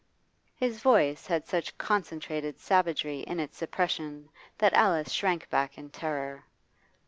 His voice had such concentrated savagery in its suppression that Alice shrank back in terror.